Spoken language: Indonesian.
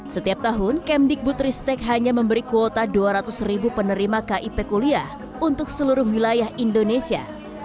setiap tahun kemdikbud ristek hanya memberi kuota dua ratus ribu penerima kip kuliah untuk seluruh wilayah indonesia